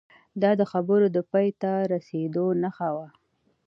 دا د خبرو د پای ته رسیدو نښه وه